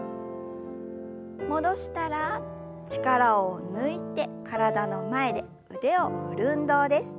戻したら力を抜いて体の前で腕を振る運動です。